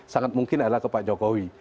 sangat mungkin adalah ke pak jokowi